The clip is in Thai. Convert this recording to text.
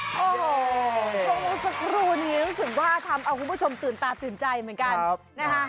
โอ้โหช่วงสักครู่นี้รู้สึกว่าทำเอาคุณผู้ชมตื่นตาตื่นใจเหมือนกันนะคะ